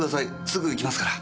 すぐ行きますから。